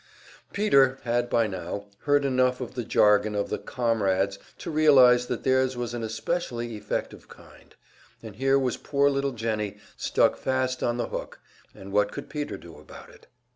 Peter had by now heard enough of the jargon of the "comrades" to realize that theirs was an especially effective kind; and here was poor little Jennie, stuck fast on the hook, and what could Peter do about it?